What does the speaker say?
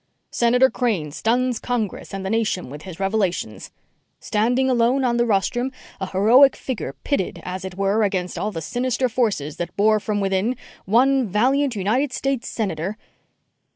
SENATOR CRANE STUNS CONGRESS AND THE NATION WITH HIS REVELATIONS Standing alone on the rostrum, a heroic figure pitted, as it were, against all the sinister forces that bore from within, one valiant United States Senator....